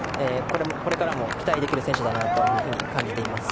これからも期待できる選手だと感じています。